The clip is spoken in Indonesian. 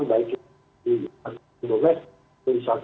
baik di domes di wisata